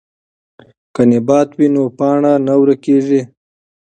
که نبات وي نو پاڼه نه ورکیږي.